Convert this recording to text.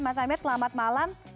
mas amir selamat malam